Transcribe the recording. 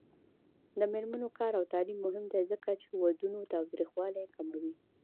د میرمنو کار او تعلیم مهم دی ځکه چې ودونو تاوتریخوالي کموي.